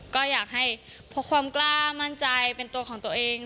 ก็อยากให้พกความกล้ามั่นใจเป็นตัวของตัวเอง